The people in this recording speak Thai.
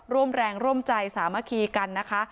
ร่วมแรงร่วมใจสามัคคีกันนะคะ